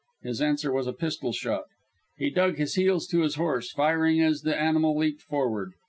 His answer was a pistol shot. He dug his heels to his horse, firing as the animal leaped forward.